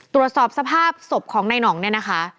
ตรวจสอบสภาพศพของในนองนะคะ